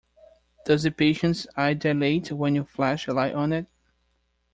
Does the patients eye dilate when you flash a light on it?